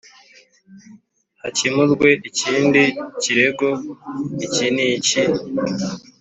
hakemurwe ikindi kirego iki n iki